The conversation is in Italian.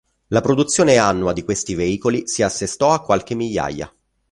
La produzione annua di questi veicoli si assestò a qualche migliaia.